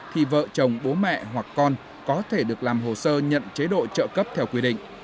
thì vợ chồng bố mẹ hoặc con có thể được làm hồ sơ nhận chế độ trợ cấp theo quy định